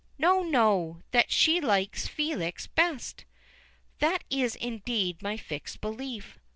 "No, no! That she likes Felix best?" "That is indeed my fixed belief."